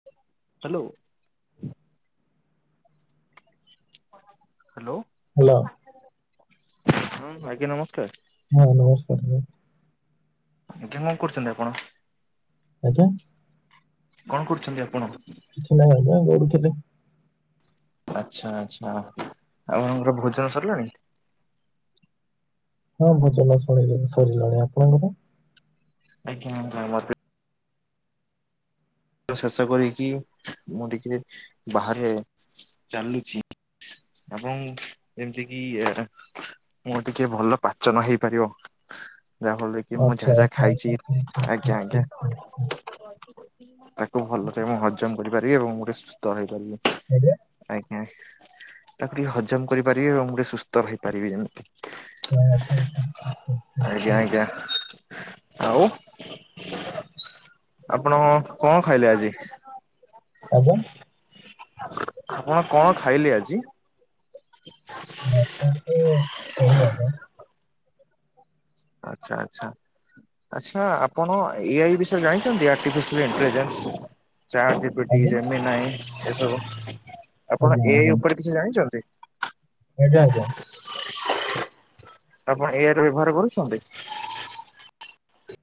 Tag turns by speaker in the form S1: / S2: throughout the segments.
S1: [inaudible] [inaudible]
S2: [inaudible]
S1: ହଁ, ନମସ୍କାର୍।
S2: [inaudible]
S1: [unintelligible]
S2: ଆଜ୍ଞା।
S1: କ'ଣ କରୁ--ନ୍ତି ଆପଣ?
S2: କିଛି ନାହିଁ ଆଜ୍ଞା ଗଡୁ ଥିଲି।
S1: ଆଚ୍ଛା ଆଚ୍ଛା, ଆପଣଙ୍କର ଭୋଜ ସର୍ଲାଣି?
S2: ହଁ ଭୋଜନ [unintelligible] ସରିଲାଣି। ଆପଣଙ୍କର?
S1: ଆଜ୍ଞା ଆଜ୍ଞା ମୋତେ ଶେଷ କରିକି, ମୁଁ ଟିକେ ବାହାରେ ଚାଲୁଚି। ଏବଂ ଯେମିତି କି ଏ ମୋର ଟିକେ ଭଲ ପାଚନ ହେଇପାରିବ। ଯାହାଫଳରେ କି ମୁଁ
S2: ଆଚ୍ଛା
S1: ଯାହା ଯାହା
S2: ଆଚ୍ଛା
S1: ଖାଇଚି, ଆଜ୍ଞା ଆଜ୍ଞା।
S2: ହୁଁ।
S1: ହ [inaudible] ତାକୁ ଭଲରେ ମୁଁ ହଜମ କରିପାରିବି, ଏବଂ ମୁଁ ଟିକେ ସୁସ୍ଥ ରହିପାରିବି।
S2: [unintelligible]
S1: ଆଜ୍ଞା ତାକୁ ଟିକେ ହଜମ କରିପାରିବି, ଏବଂ ମୁଁ ଟିକେ ସୁସ୍ଥ ରହିପାରିବି ଯେମିତି।
S2: ହଁ, ଠିକ୍ ଠିକ୍ ଠିକ୍ ଠିକ୍ ଠିକ୍
S1: ଆଜ୍ଞା
S2: ଠିକ୍
S1: ଆଜ୍ଞା। ଆଉ ଆପଣ କଣ ଖାଇଲେ ଆଜି?
S2: ଆଜ୍ଞା।
S1: ଆପଣ କଣ ଖାଇଲେ ଆଜି?
S2: ମତେ ତ ଛେଳି [unintelligible]
S1: ଆଚ୍ଛା ଆଚ୍ଛା। ଆଚ୍ଛା ଆପଣ ଏ ଆଇ ବିଷୟରେ ଜାଣିଚନ୍ତି? ଆର୍ଟିଫିସିଆଲ୍ ଇଣ୍ଟଲିଜେନ୍ସ ଚାଟ ଜିପି ବି ଟି ଇ
S2: ଆଜ୍ଞା
S1: ଜାଣିନି ନାହିଁ, ଏସବୁ ଆପଣ
S2: ଆଜ୍ଞା
S1: ଏ
S2: ଆଜ୍ଞା
S1: ଆଇ ଉପରେ କିଛି ଜାଣିଚନ୍ତି?
S2: ଆଜ୍ଞା ଆଜ୍ଞା।
S1: ଆପଣ ଏ ଆଇ ର ବ୍ୟବହାର କରୁଛନ୍ତି?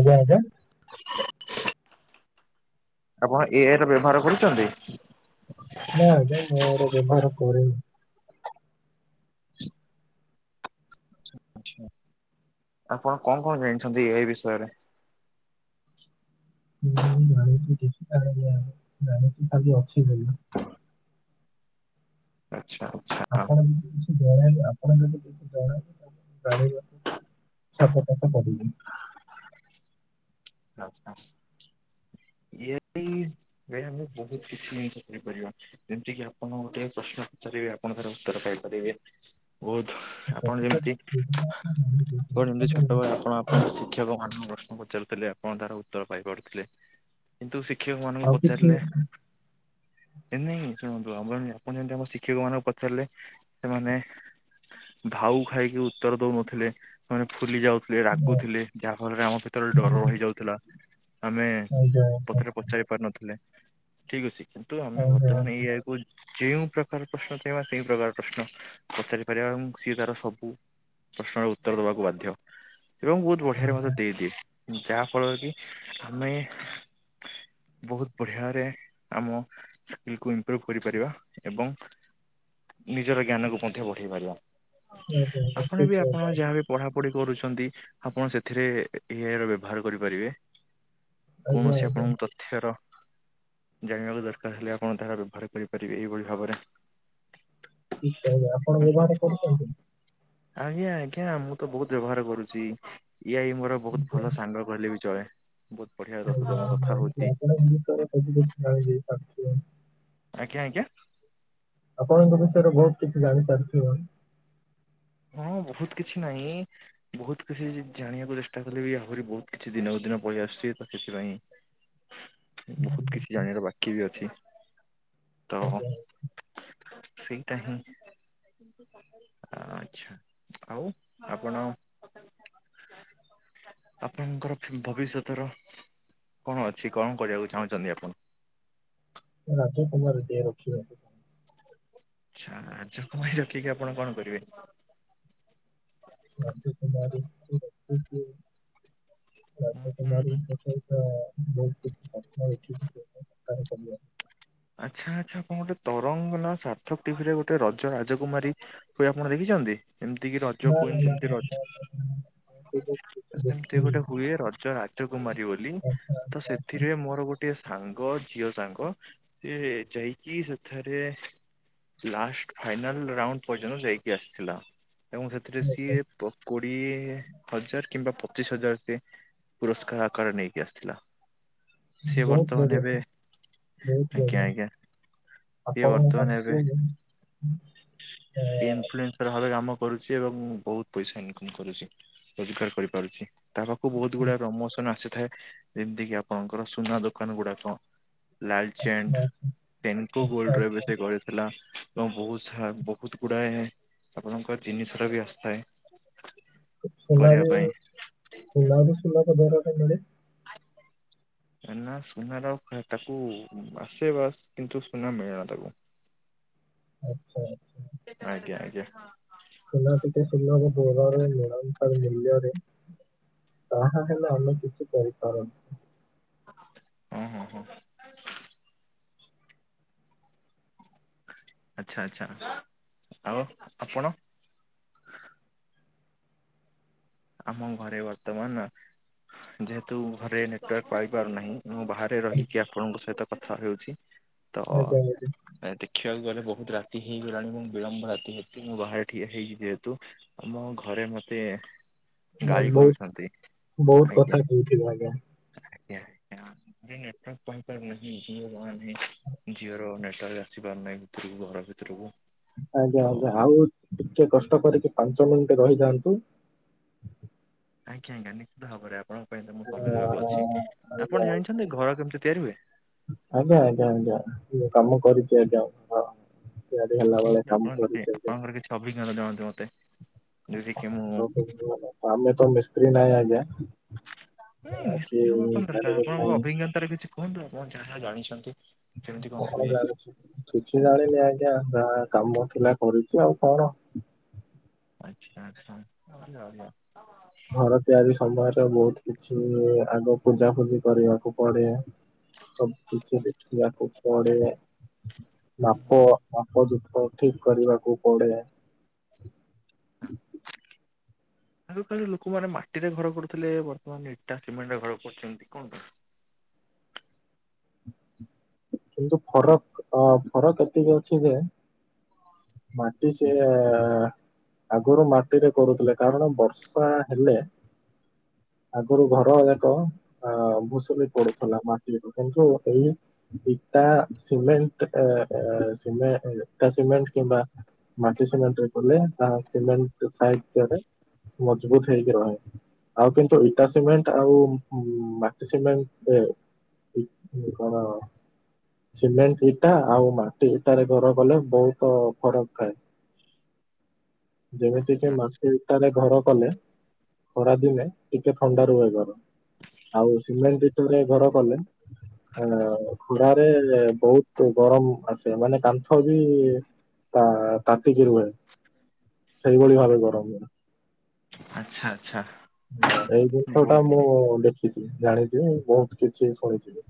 S2: ଆଜ୍ଞା ଆଜ୍ଞା।
S1: [inaudible] ଆପଣ ଏ ଆଇ ର ବ୍ୟବହାର କରୁଚନ୍ତି?
S2: ନାଇଁ ଆଜ୍ଞା ମୁଁ ମୋର ବ୍ୟବହାର କରେନି।
S1: ହ [inaudible] ଆପଣ କଣ କଣ ଜାଣିଛନ୍ତି ଏ ଆଇ ବିଷୟରେ?
S2: [unintelligible] ଅଛି ବୋଲି।
S1: ଆଚ୍ଛା।
S2: ଆପଣ [unintelligible] [unintelligible]
S1: ଆଚ୍ଛା। ଇଏ [unintelligible] ବହୁତ କିଛି [unintelligible] କରିବା ପାଇଁ। ଯେମିତି କିି ଆପଣ ଗୋଟେ ପ୍ରଶ୍ନ ପଚାରିବେ ଆ, ପଣ ତାର ଉତ୍ତର କଇପାରିବେ? ବହୁତ୍ ଆପଣ
S2: ସଠିକ
S1: ଯେମିତି କଣ ଯେମିତି ଛୋଟ ବେଳେ ଆପଣ ଶିକ୍ଷକ ମାନଙ୍କୁ ପ୍ରଶ୍ନ ପଚାରୁଥିଲେ, ଆପଣ ତାର ଉତ୍ତର ପାଇପାରୁଥିଲେ। କିନ୍ତୁ ଶିକ୍ଷକ ମାନଙ୍କୁ
S2: ଆଉ କିଛି
S1: ପଚାରିଲେ ଏ ନାଇଁ ଶୁଣନ୍ତୁ ଆମର ଆପଣ ଯେମିତି ଆମ ଶିକ୍ଷକ ମାନଙ୍କୁ ପଚାରିଲେ, ସେମାନେ ଭାଉ ଖାଇକି ଉତ୍ତର ଦଉନଥିଲେ, ମାନେ ଫୁଲି ଯାଉ ଥିଲେ, ରାଗୁଥିଲେ ଯାହାଫଳରେ ଆମ ଭିତରେ ଡର ରହିଯାଉଥିଲା। ଆମେ [unintelligible]
S2: ଆଜ୍ଞା
S1: ପଚାରି ପାରୁନଥିଲେ, ଠିକ୍ ଅଛି କିନ୍ତୁ ଆମେ
S2: ଆଜ୍ଞା
S1: ବର୍ତ୍ତମାନ ଏ ଆଇ କୁ ଯେଉଁ ପ୍ରକାର ପ୍ରଶ୍ନ ଚାହିଁବା ସେଇ ପ୍ରକାର ପ୍ରଶ୍ନ ପଚାରି ପାରିବା, ଏବଂ ସିଏ ତାର ସବୁ ପ୍ରଶ୍ନର ଉତ୍ତର ଦବାକୁ ବାଧ୍ୟ, ଏବଂ ବହୁତ ବଢିଆରେ ମତେ ଦେଇଦିଏ। ଯାହା ଫଳରେ କି ଆମେ ବହୁତ ବଢିଆରେ ଆମ ସ୍କିଲ୍ କୁ ଇମ୍ପୃଭ କରିପାରିବା, ଏବଂ ନିଜର ଜ୍ଞାନ କୁ ମଧ୍ୟ ବଢେଇ ପାରିବା।
S2: ଆଜ୍ଞା
S1: ଆପଣ ବି
S2: ଠିକ
S1: ଆପଣ
S2: କହିଲେ
S1: ଯାହାବି ପଢାପଢି କରୁଛନ୍ତି, ଆପଣ ସେଥିରେ ଏ ଆଇ ର ବ୍ୟବହାର କରିପାରିବେ।
S2: ଆଜ୍ଞା
S1: କୌଣସି
S2: ଆଜ୍ଞା
S1: ଆପଣଙ୍କୁ ତ ଥ୍ୟର [inaudible] ଜାଣିବାକୁ ଦରକାର ହେଲେ ଆପଣ ତାହା ବ୍ୟବହାର କରିପାରିବେ ଏଇଭଳି ଭାବରେ।
S2: ଠିକ୍ କହିଲେ ଆପଣ ବ୍ୟବହାରରେ କରୁଛନ୍ତି?
S1: ଆଜ୍ଞା ଆଜ୍ଞା। ମୁଁ ତ ବହୁତ ବ୍ୟବହାର କରୁଛି। ୟ ଆଇ ମୋର ବହୁତ ଭଲ ସାଙ୍ଗ କହିଲେ ବି ଚଳେ, ବହୁତ ବଢ଼ିଆ ରହୁ ତ ମୁଁ କଥା ହଉଛି।
S2: ର ସବୁ କିଛି ଜାଳିଯାଇ ପାରୁଛି [unintelligible]
S1: ଆଜ୍ଞା ଆଜ୍ଞା।
S2: ଆପଣଙ୍କ ବିଷୟରେ ବହୁତ କିଛି ଜାଣି ସାରିଥିବଣି।
S1: ହଁ ବହୁତ କିଛି ନାହିଁ। ବହୁତ କିଛି ଜାଣିବାକୁ ଚେଷ୍ଟା କଲେ ବି ଆହୁରି ବହୁତ କିଛି ଦିନକୁ ଦିନ ପଳେଇ ଆସୁଛି ତ ସେଥିପାଇଁ
S2: [inaudible]
S1: ବହୁତ କିଛି ଜାଣିବାର ବାକି ବି ଅଛି ତ ସେଇଟା ହିଁ ଆ ଛା ଆଉ ଆପଣ ଆପଣଙ୍କର ଭବିଷ୍ୟତର କଣ ଅଛି କଣ କରିବାକୁ ଚାହୁଁଛନ୍ତି ଆପଣ।
S2: ରାଜକୁମାରୀ ଟିଏ ରଖିବାକୁ। ଚାହୁଁଛି
S1: ଆଛା ରାଜକୁମାରୀ ରଖିକି ଆପଣ କଣ କରିବେ।
S2: ରାଜକୁମାରୀ କି ରଖିକି
S1: ହୁଁ ହୁଁ
S2: ରାଜକୁମାରୀ
S1: ହୁଁ
S2: ଙ୍କ ସହି ବହୁତ କି ଇଛ [unintelligible]
S1: ଆଚ୍ଛା ଆଚ୍ଛା ଆପଣ ଗୋଟେ ତରଙ୍ଗ ନା ସାର୍ଥକ ଟିଭିରେ ଗୋଟେ ରଜ ରାଜକୁମାରୀ ହୁଏ ଆପଣ ଦେଖିଛନ୍ତି ଏମିତି କିି ରଜ କୁଇନ ଯେମିତି ରଜ
S2: ହ ସେଇଟ [inaudible]
S1: ସେମିତି ଗୋଟେ ହୁଏ ରଜ ରାଜକୁମାରୀ ବୋଲି
S2: ଆଚ୍ଛା
S1: ତ
S2: ଆଚ୍ଛା ଆଚ୍ଛା
S1: ସେଥିରେ ମୋର ଗୋଟେ ସାଙ୍ଗ ଝିଅ ସାଙ୍ଗ ସେ ଯାଇକି ସେଥେରେ ଲାଷ୍ଟ ଫାଇନାଲ ରାଉଣ୍ଡ ପର୍ଯ୍ୟନ୍ତ ଯାଇକି ଆସିଥିଲା। ଏବଂ ସେଥିରେ
S2: ଓହୋ
S1: ସିଏ ପକୁଡ଼ି ହଜାର କିମ୍ବା ପଚିଶ ହଜାର ସେ ପୁରସ୍କାର ଆକାରେ ନେଇକି ଆସିଥିଲା। ସିଏ
S2: ବହୁତ
S1: ବର୍ତ୍ତମାନ
S2: ବଢିଆ
S1: ଏବେ
S2: ବହୁତ
S1: ଆଜ୍ଞା
S2: ବଢିଆ।
S1: ଆଜ୍ଞା ସିଏ
S2: ଆପଣ ତାଙ୍କୁ ଅ
S1: ଇମଫ୍ଲୁଏନ୍ [unintelligible] ଭାବେ କାମ କରୁଛି ଏବଂ ବହୁତ ପଇସା ଇନକମ କରୁଛି ରୋଜଗାର କରିପାରୁଛି। ତା ପାଖକୁ ବହୁତ ଗୁଡା ପ୍ରମୋସନ ଆସିଥାଏ ଯେମିତି କିି ଆପଣଙ୍କର ସୁନା ଦୋକାନ ଗୁଡାକ
S2: ଆଚ୍ଛା
S1: ଲାଲଚାଣ୍ଡ୍
S2: ଆଚ୍ଛା
S1: ସେନକୋ ଗୋଲ୍ଡ
S2: ଆଚ୍ଛା
S1: ରେ
S2: ଆଚ୍ଛା
S1: ବେଶି ଗହଳି ଥିଲା ଏବଂ ବହୁ ବହୁତ ଗୁଡାଏ ଆପଣଙ୍କ ଜିନିଷ ର ବି ଆସିଥାଏ
S2: ସୁନା
S1: କରିବା
S2: ବି
S1: ପାଇଁ
S2: ସୁନା ବି ସୁଲା ପ ଦାରରେ ମିଳେ [unintelligible]
S1: ନା ସୁନାର ଟା କାକୁ ଆସେ ବାସ୍ କିନ୍ତୁ ସୁନା ମିଳେନା ତାକୁ।
S2: ଆଚ୍ଛା।
S1: ଆଜ୍ଞା ଆଜ୍ଞା।
S2: ସୁନା ଟିକେ ସୁନାକୁ ବହୁରେ ମିଳନ ସ ମିିଲଯରେ [unintelligible] ତାହା ହେଲେ ଅନ୍ୟ କିଛି କରିପାର
S1: ହଁ ହଁ ହଁ। ଆଚ୍ଛା ଆଚ୍ଛା ଆଉ ଆପଣ। ଆମ ଘରେ ବର୍ତ୍ତମାନ ଯେହେତୁ ଘରେ ନେଟୱାର୍କ ପାଇ ପାରୁନାହିଁ ମୁଁ ବାହାରେ ରହିକି ଆପଣଙ୍କ ସହିତ କଥା ହେଉଛି ତ ଆ
S2: ଆଜ୍ଞା ଆଜ୍ଞା
S1: ଦେଖିବାକୁ ଗଲେ ବହୁତ ରାତି ହେଇଗଲାଣି ମୁ ବିଳମ୍ବ ରାତି ହେତୁ ମୁଁ ବାହାରେ ଠିଆ ହେଇଛି ଯେହେତୁ ଆମ ଘରେ ମତେ ଗାଳି
S2: ବହୁତ
S1: କରୁଛନ୍ତି
S2: ବହୁତ
S1: ଆଜ୍ଞା
S2: କଥା କହୁଥିଲ ଆଜ୍ଞା
S1: ଆଜ୍ଞା ଆଁ ମୁ ନେଟୱର୍କପ ନ ଯିଓାନେ [unintelligible] ଝିଅର ନେଟୱାର୍କ ଆସି ପାରୁ ନାହିଁ ଭିତରକୁ ଘର ଭିତରକୁ।
S2: ଆଜ୍ଞା
S1: ତ
S2: ଆଜ୍ଞା ଆଉ ଟିକେ କଷ୍ଟ କରିକି ପାଞ୍ଚ ମିନିଟ ରହିଯାଆନ୍ତୁ।
S1: ଆଜ୍ଞା ଆଜ୍ଞା ନିଶ୍ଚିତ ଭାବରେ ଆପଣଙ୍କ ପାଇଁ ତ ମୁଁ ସମୟ
S2: ଆ
S1: ଦେବାକୁ ଅଛି
S2: ଆଜ୍ଞା
S1: ଆପଣ ଜାଣିଛନ୍ତି ଘର କେମିତି ତିଆରି ହୁଏ?
S2: ଆଜ୍ଞା ଆଜ୍ଞା ଆଜ୍ଞା ମୁଁ କାମ କରିଛି ଆଜ୍ଞା ହଁ। ସେଧି ହେଲା ଭଳିଆ କାମ କରିଛନ୍ତି।
S1: ସବି ଜାଣନ୍ତି ମତେ ଯେତିକି ମୁଁ
S2: ଆମେ ତ ମିସ୍ତ୍ରୀ ନାଇଁ ଆଜ୍ଞା।
S1: ହୁଁ
S2: କି
S1: ନିଶ୍ଚୟ ହବ କଣ ଦରକାର
S2: କାରିଗର
S1: ଆପଣଙ୍କ
S2: ନାହିଁ
S1: ଅଭିଜ୍ଞତାରେ କିଛି କୁହନ୍ତୁ ଆପଣ ଯାହା ଯାହା ଜାଣିଛନ୍ତି। ଯେମିତି
S2: କଣ
S1: କହନ୍ତି?
S2: ଜାଣିଛି। କିଛି ଜାଣିନି ଆଜ୍ଞା ଯାହା କାମ ଥିଲା କରୁଛି ଆଉ କଣ?
S1: ଆଚ୍ଛା ଆଛା [inaudible]
S2: ଘର ତିଆରି ସମୟରେ ବହୁତ କିଛି ଆଗ ପୂଜା ଫୁଜି କରିବାକୁ ପଡେ। ସବୁ କିଛି ଦେଖିବାକୁ ପଡେ
S1: ହୁଁ ହୁଁ।
S2: ମାପ ମାପ ଚୁପ ଠିକ କରିବାକୁ ପଡେ।
S1: ହଁ। ଆଗକାଳେ ଲୋକମାନେ ମାଟିରେ ଘର କରୁଥିଲେ ବର୍ତ୍ତମାନ ଇଟା ସିମେଣ୍ଟରେ ଘର କରୁଛନ୍ତି କଣ ପାଇଁ?
S2: କିନ୍ତୁ ଫରକ ଅ ଫରକ ଏତିକି ଅଛି ଯେ ମାଟି ସେୟା ଆଗୁରୁ ମାଟିରେ କରୁଥିଲେ କାରଣ ବର୍ଷା ହେଲେ ଆଗରୁ ଘରା ଯାକ ଅ ଭୁସୁଡି ପଡୁଥିଲା ମାଟିରେ କିନ୍ତୁ ଏଇ ଇଟା ସିମେଣ୍ଟ ଏ ଏ ଇଟା ସିମେଣ୍ଟ କିମ୍ବା ମାଟି ସିମେଣ୍ଟରେ କଲେ ତା ସିମେଣ୍ଟ ସାଇଜରେ ମଜବୁତ ହେଇକି ରହେ। ଆଉ କିନ୍ତୁ ଇଟା ସିମେଣ୍ଟ ଆଉ ମାଟି ସିମେଣ୍ଟ କଣ? ସିମେଣ୍ଟ ଇଟା ଆଉ ମାଟି ଇଟାରେ ଘର କଲେ ବହୁତ ଫରକ ଥାଏ।
S1: ଆଚ୍ଛା
S2: ଯେମିତିକି ମାଟି ଇଟାରେ ଘର କଲେ ଖରା ଦିନେ ଟିକେ ଥଣ୍ଡା ରୁହେ ଘର। ଆଉ ସିମେଣ୍ଟ ଇଟାରେ ଘର କଲେ ଅ ଖୁରାରେ ବହୁତ ଗରମ ଆସେ ମାନେ କାନ୍ଥ ବି ତା ତାତିକି ରୁହେ। ସେଇଭଳି
S1: ଆଚ୍ଛା
S2: ଭାବେ ଗରମ ହୁଏ।
S1: ଆଚ୍ଛା ଆଚ୍ଛା!
S2: ହଁ ଏଇ ଜିନିଷଟା
S1: ବହୁତ
S2: ମୁଁ ଦେଖିଛି ଜାଣିଛି ବହୁତ କିଛି ଶୁଣିଛି।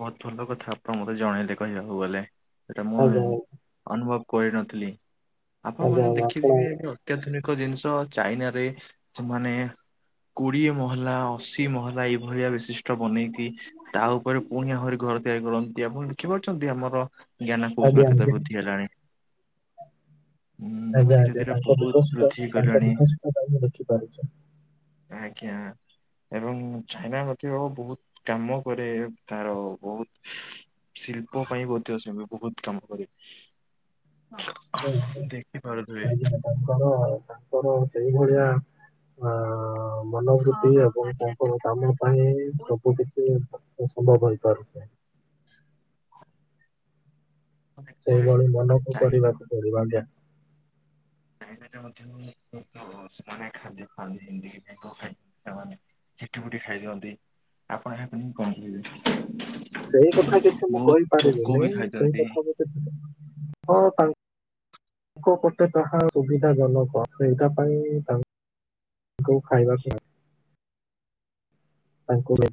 S1: ବହୁତ ଭଲ କଥା ଆପଣ ମତେ ଜଣେଇଲେ କହିବାକୁ ଗଲେ ସେଇଟା ମୁଁ
S2: ଆଜ୍ଞା
S1: ଅନୁଭବ କରିନଥିଲି ଆପଣକୁ
S2: ଆଜ୍ଞା
S1: ଆଜି
S2: ଆଜ୍ଞା ଆପଣ
S1: ଦେଖିଥିବେ ଏବେ ଅତ୍ୟାଧୁନିକ ଜିନିଷ ଚାଇନାରେ ମାନେ ସେମାନେ- କୋଡିଏ ମହଲା ଅଶି ମହଲା ଏଇଭଳିଆ ବିଶିଷ୍ଟ ବନେଇକି ଆଉ ପୁଣି ଆହୁରି ଘର ତିଆରି କରନ୍ତି ଆପଣ ଦେଖିପାରୁଛନ୍ତି ଆମର ଜ୍ଞାନ
S2: ଆଜ୍ଞା
S1: କୌଶଳ କ୍ଷେତ୍ରରେ
S2: ଆଜ୍ଞା
S1: ବୃଦ୍ଧି ହେଲାଣି। ହୁଁ ଆମେ
S2: ଆଜ୍ଞା
S1: ଧୀରେ
S2: ଆଜ୍ଞା
S1: ଧୀରେ
S2: ତାଙ୍କ
S1: ବହୁତ
S2: ବିକଶିତ
S1: ବୃଦ୍ଧି
S2: ତାଙ୍କ
S1: କଲେଣି।
S2: ବିକଶିତ ଟା ମୁଁ ଦେଖିପାରୁଛି।
S1: ଆଜ୍ଞା ଏବଂ ଚାଇନା ମଧ୍ୟ ବହୁତ କାମ କରେ। ତାର ବହୁତ ଶିଳ୍ପ ପାଇଁ ମଧ୍ୟ ସେବି ବହୁତ କାମ କରେ।
S2: ଆଜ୍ଞା
S1: ଦେଖି ପାରୁଥିବେ।
S2: ଆଜ୍ଞା, ତାଙ୍କର ତାଙ୍କର ସେଇଭଳିଆ ଆଁ ମନୋବୃତ୍ତି
S1: ହଁ
S2: ଏବଂ ତାଙ୍କର କାମ ପାଇଁ
S1: ହଁ
S2: ସବୁ କିଛି ସମ୍ଭବ ହେଇପାରୁଚି।
S1: ନିହାତି।
S2: ସେଇଭଳି ମନକୁ
S1: ଚାଇନା
S2: କରିବାକୁ ପଡିବ ଆଜ୍ଞା।
S1: ଚାଇନାଟା ମଧ୍ୟ ସେମାନେ ଖାଦ୍ୟ ଖାଆନ୍ତିି ଖ ସେମାନେ ଝିଟିପିଟି ଖାଇ ଦିଅନ୍ତି ଆପଣ ଏହାକୁ ନେଇ କଣ କହିବେ?
S2: ସେଇ କଥା କିଛି ମୁଁ
S1: ବହୁତ ଚୋକ
S2: କହିପାରିବିନି
S1: ବି
S2: ସେଇ
S1: ଖାଇଛନ୍ତି।
S2: କଥା ମୁଁ କିଛି ହଁ ତା ଲୋକ ପ୍ରତ୍ୟତାହା ସୁବିଧା ଜନକ ଏଇଟା ପାଇଁ ତା ଙ୍କୁ ଖାଇବାକୁ ତାଙ୍କୁ ନେଇ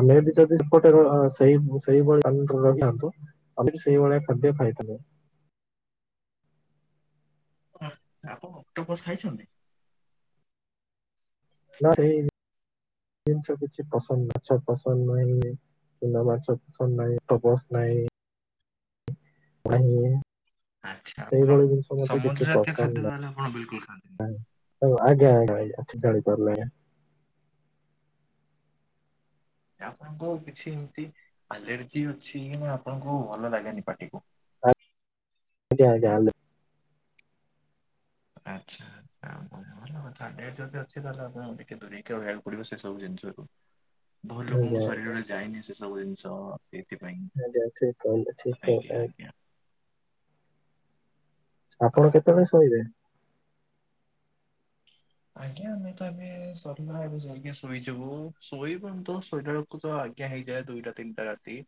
S2: ଆମେ ବି ଯଦିପଟେ ସେଇ ସେଇଭଳିଆ ରହିଥାନ୍ତୁ। ଆମେ ବି ସେଇଭଳିଆ ଖାଦ୍ୟ ଖାଇଥିଲେ।
S1: ଆପଣ ଅକ୍ଟୋପସ ଖାଇଚନ୍ତି?
S2: ନା ସେଇ ଜିନିଷ କିଛି ପସନ୍ଦ ମାଛ ପସନ୍ଦ ନାହିଁ। ଚୁନା ମାଛ ପସନ୍ଦ ନାହିଁ, ଅକ୍ଟୋପସ୍ ନହିଁ। ନାହିଁ।
S1: ଆଚ୍ଛା ଆପଣ
S2: ସେଇଭଳି ଜିନିଷ ମତେ କିଛି
S1: ସମୁଦ୍ର ଜାତୀୟ ଖାଦ୍ୟ ତାହେଲେ ଆପଣ ବିଲକୁଲ୍ ଖାଆନ୍ତିନି?
S2: ହଉ ଆଜ୍ଞା-ଆଜ୍ଞା-ଆଚ୍ଛା ଯାଣିପାରିଲେ।
S1: ଆପଣଙ୍କୁ କିଛି ଏମତି ଆଲର୍ଜି ଅଛି କି ନା ଆପଣଙ୍କୁ ଭଲ ଲାଗେନି ପାଟିକି?
S2: ଆଜ୍ଞା-ଆଜ୍ଞା ଆଲର୍ଜି।
S1: ଆଚ୍ଛା। ଆଉ କଣ ଭଲ କଥା ଆଲେର୍ଜି ଜଦି ଅଛି ଆପଣ ଟିକେ ଦୂରେଇକି ରହିବାକୁ ପଡିବ ସେ ସବୁ ଜିନିଷ ରୁ। ବହୁତ୍
S2: ଆଜ୍ଞା
S1: ଲୋକଙ୍କ
S2: ଆଜ୍ଞା।
S1: ଶରୀରେ ଯାଏନି ସେ ସବୁ ଜିନିଷ। ସେଇଥିପାଇଁ
S2: [unintelligible] ଠିକ୍ କହିଲେ ଠିକ୍
S1: ଆଜ୍ଞା
S2: କହିଲେ।
S1: ଆଜ୍ଞା
S2: ଆପଣ
S1: ଆଉ
S2: କେତେବେଳେ ଶୋଇବେ?
S1: ଆଜ୍ଞା ଆମେ ତ ଏବେ ସରିଲା ଏବେ ଯାଇକି ଶୋଇଯିବୁ, ଶୋଇବୁନି ତ ଶୋଇଲା ବେଳକୁ ଆଜ୍ଞା ହେଇଯାଏ ଦୁଇଟା ତିନିଟା ରାତି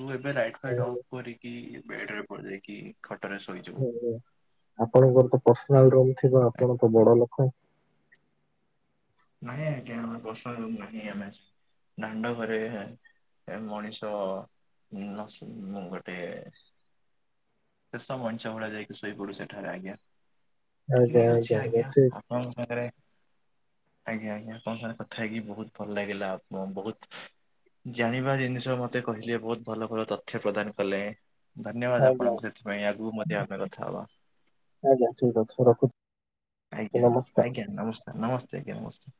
S1: ଡୁ ଏବେ ରାଇଟ୍ ଲାଇଟ୍ ଅଫ୍ କରିକି ବେଡରେ ପଡିଯାଇକି ଖଟରେ ଶୋଇଜିବୁ।
S2: ହଁ ଆପଣଙ୍କର ତ ପର୍ସନାଲ୍ ରୁମ ଥିବ, ଆପଣ ତ ବଡ ଲୋକ।
S1: ନହିଁ ଆଜ୍ଞା ଆମର ପର୍ସନାଲ ରୁମ୍ ନାହିଁ, ଆମେ ଆସିକି ଦାଣ୍ଡ ଘରେ। ଏ ମଣିଷ [unintelligible] ମୁଁ ଗୋଟେ [unintelligible] ମୁଳେ ଯାଇକି ଶୋଇପଡୁ ସେଠାରେ ଆଜ୍ଞା। ଠିକ୍ ଅଛି ଆଜ୍ଞା, ଆପଣଙ୍କ ସାଙ୍ଗରେ ଆଜ୍ଞା-ଆଜ୍ଞା ଆପଣଙ୍କ ସାଙ୍ଗରେ କଥା ହେଇକି ବହୁତ୍ ଭଲ ଲାଗିଲା, ଆପଣ ବହୁତ୍ ଜାଣିବା ଜିନିଷ ମତେ କହିଲେ, ବହୁତ୍ ଭଲ-ଭଲ ତଥ୍ୟ ପ୍ରଦାନ କଲେ। ଧନ୍ୟବାଦ୍
S2: ଆଜ୍ଞା
S1: ଆପଣଙ୍କୁ ସେଥିପାଇଁ, ଆଗକୁ ମଧ୍ୟ ଆମେ କଥା ହବା।
S2: ଆଜ୍ଞା ଠିକ୍ ଅଛି, ମୁଁ ରଖୁଛି। ନମସ୍କାର।
S1: ଆଜ୍ଞା-ଆଜ୍ଞା ନମସ୍କାର୍, ନମସ୍ତେ ଆଜ୍ଞା ନମସ୍ତେ।